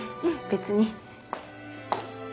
別に。